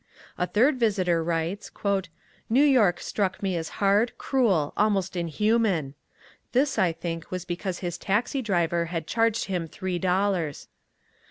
A third visitor writes, "New York struck me as hard, cruel, almost inhuman." This, I think, was because his taxi driver had charged him three dollars.